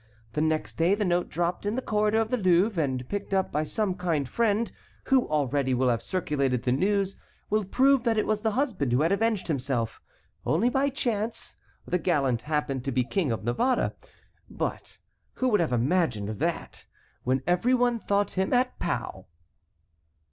The next day the note dropped in the corridor of the Louvre, and picked up by some kind friend who already will have circulated the news, will prove that it was the husband who had avenged himself. Only by chance, the gallant happened to be King of Navarre; but who would have imagined that, when every one thought him at Pau."